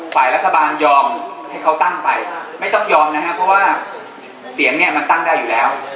ฝ่ายรัฐบาลยอมให้เขาตั้งไปไม่ต้องยอมนะครับเพราะว่าเสียงเนี่ยมันตั้งได้อยู่แล้ว